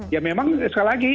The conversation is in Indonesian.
ya memang sekali lagi